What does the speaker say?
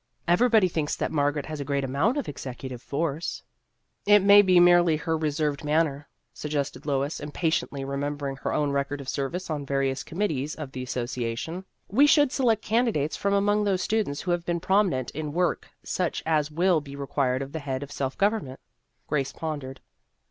" Everybody thinks that Margaret has a great amount of executive force." 48 Vassar Studies "It may be merely her reserved man ner," suggested Lois, impatiently remem bering her own record of service on various committees of the Association ; "we should select candidates from among those students who have been prominent in work such as will be required of the head of self government." Grace pondered.